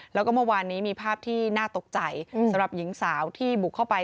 แล้วก็เมื่อวานนี้มีภาพที่น่าตกใจสำหรับหญิงสาวที่บุกเข้าไป